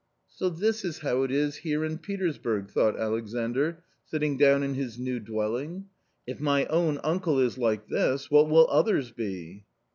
"So this is how it is here, in Petersburg," thought Alexandr, sitting down in his new dwelling. " If my own uncle is like this, what will others be